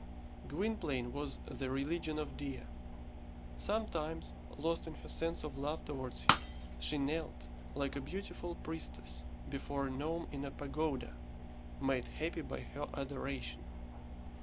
Gwynplaine was the religion of Dea. Sometimes, lost in her sense of love towards him, she knelt, like a beautiful priestess before a gnome in a pagoda, made happy by her adoration.